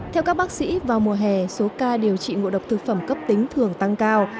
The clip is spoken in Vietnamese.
theo các bác sĩ vào mùa hè số ca điều trị ngộ độc thực phẩm cấp tính thường tăng cao